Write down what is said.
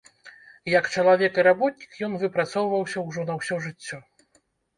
Як чалавек і работнік ён выпрацоўваўся ўжо на ўсё жыццё.